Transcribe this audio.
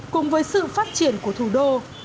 cùng với sự phát triển của thủ đô